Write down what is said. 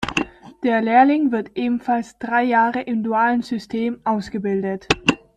Der Lehrling wird ebenfalls drei Jahre im dualen System ausgebildet.